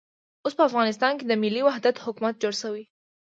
اوس په افغانستان کې د ملي وحدت حکومت جوړ شوی.